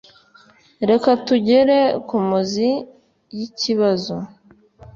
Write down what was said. Reka tugere kumuzi yikibazo.